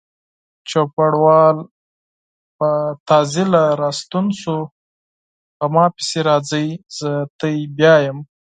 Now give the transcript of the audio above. چوپړوال په بیړه راستون شو: په ما پسې راځئ، زه تاسې بیایم.